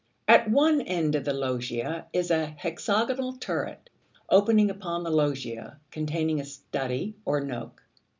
At one end of the loggia is a hexagonal turret, opening upon the loggia, containing a study or nook.